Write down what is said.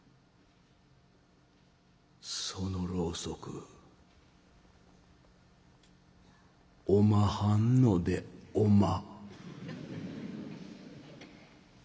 「そのろうそくおまはんのでおま」。